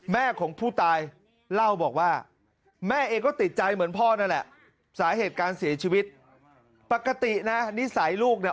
แม่ของผู้ตายเล่าบอกว่าแม่เองก็ติดใจเหมือนพ่อนั่นแหละ